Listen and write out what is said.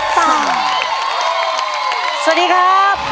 สวัสดีครับ